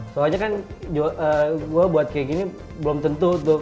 soalnya kan gue buat kayak gini belum tentu tuh